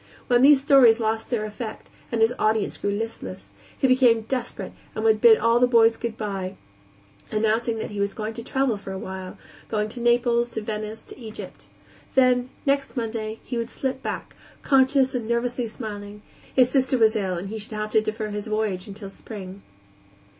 When these stories lost their effect, and his audience grew listless, he became desperate and would bid all the boys good by, announcing that he was going to travel for a while; going to Naples, to Venice, to Egypt. Then, next Monday, he would slip back, conscious and nervously smiling; his sister was ill, and he should have to defer his voyage until spring.